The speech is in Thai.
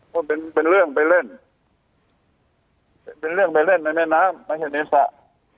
มันเป็นเป็นเรื่องไปเล่นเป็นเรื่องไปเล่นในแม่น้ำไม่ใช่ในสระ